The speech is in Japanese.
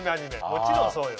もちろんそうよ。